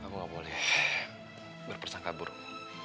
aku nggak boleh berpersangka buruk